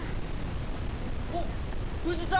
おっ藤田。